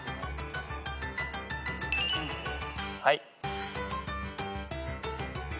はい。